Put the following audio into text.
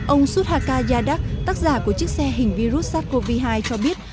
ông sudhakar yadak tác giả của chiếc xe hình virus sars cov hai cho biết